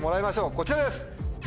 こちらです！